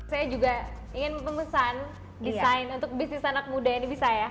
saya juga ingin memesan desain untuk bisnis anak muda ini bisa ya